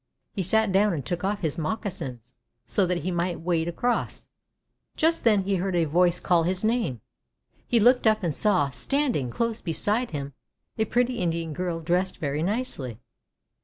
He sat down and took off his moccasins, so that he might wade across. Just then he heard a voice call his name. He looked up, and saw, standing close beside him, a pretty Indian girl dressed very nicely.